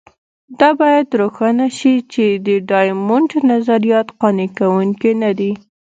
دا باید روښانه شي چې د ډایمونډ نظریات قانع کوونکي نه دي.